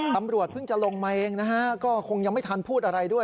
ตำรวจเพิ่งจะลงมาเองนะฮะก็คงยังไม่ทันพูดอะไรด้วย